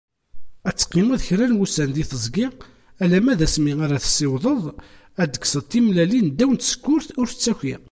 Ad teqqimeḍ kra n wussan di teẓgi alama d asmi ara tessiwḍeḍ ad d-tekkseḍ timellalin ddaw tsekkurt ur tettaki.